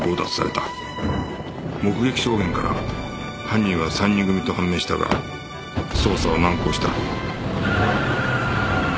目撃証言から犯人は３人組と判明したが捜査は難航した